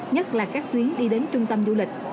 nhất là các tuyến đi đến trung tâm du lịch